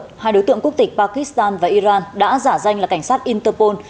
hai đối tượng quốc tịch pakistan và iran đã giả danh là cảnh sát interpol